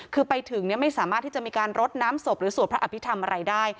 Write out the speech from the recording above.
คือไปถึงไม่สามารถที่จะมีการรดน้ำศพหรือสวดพระอภิษฐรรมอะไรได้